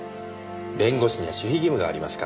弁護士には守秘義務がありますから。